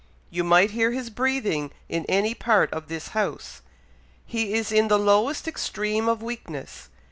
You might hear his breathing in any part of this house. He is in the lowest extreme of weakness!